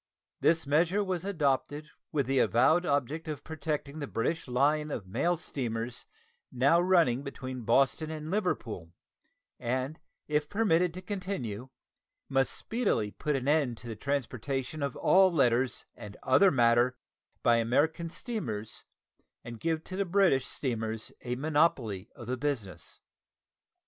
This measure was adopted with the avowed object of protecting the British line of mail steamers now running between Boston and Liverpool, and if permitted to Continue must speedily put an end to the transportation of all letters and other matter by American steamers and give to British steamers a monopoly of the business.